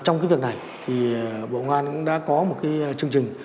trong cái việc này thì bộ công an cũng đã có một cái chương trình